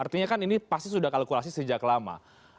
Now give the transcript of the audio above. artinya kan ini pasti sudah kalkulasi sejak lama